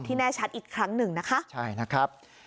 ที่แน่ชัดอีกครั้งหนึ่งนะคะ